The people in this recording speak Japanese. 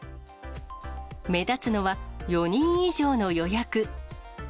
目立つのは４人以上の予約。